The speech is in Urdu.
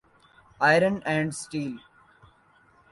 iron and steel